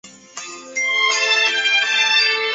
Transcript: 库班国旗是一面水平的三色旗。